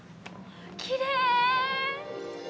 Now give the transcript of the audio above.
きれい。